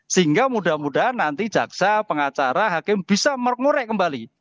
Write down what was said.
sehingga mudah mudahan nanti jaksa pengacara hakim bisa ngurek kembali